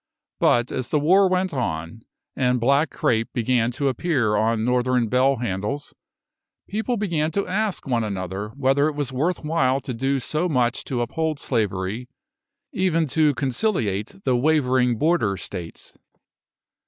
But as the war went on, and black crape began to appear on Northern bell handles, people began to ask one another whether it was worth while to do so much to uphold slavery, even to conciliate the wavering Border States.